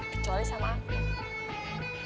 kecuali sama aku